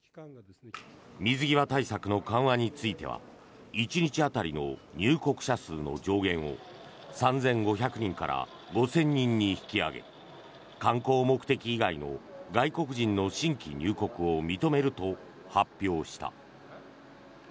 水際対策の緩和については１日当たりの入国者数の上限を３５００人から５０００人に引き上げ観光目的以外の外国人の新規入国を認めると発表した。